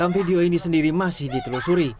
video ini sendiri masih ditelusuri